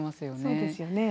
そうですよね。